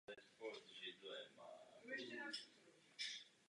V několika členských státech není doba zadržení ze zákona omezena.